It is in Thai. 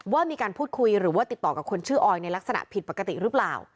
ว่ามีการพูดคุยหรือว่าติดต่อกับคนชื่อออยในลักษณะผิดปกติหรือเปล่า